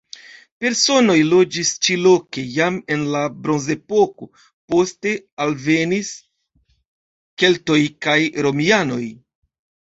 Personoj loĝis ĉi-loke jam en la bronzepoko; poste alvenis keltoj kaj romianoj.